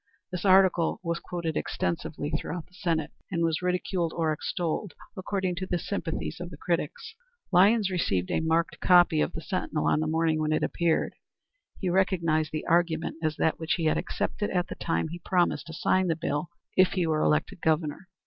This article was quoted extensively throughout the State, and was ridiculed or extolled according to the sympathies of the critics. Lyons received a marked copy of the Sentinel on the morning when it appeared. He recognized the argument as that which he had accepted at the time he promised to sign the bill if he were elected Governor.